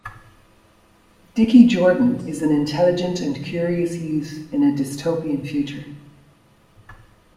Dickie Jordan is an intelligent and curious youth in a dystopian future.